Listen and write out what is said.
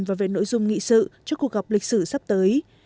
và về nội dung nghị sự cho cuộc gặp lịch sử sắp tới